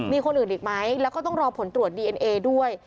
มีคนอื่นอีกไหมแล้วก็ต้องรอผลตรวจดีเอ็นเอด้วย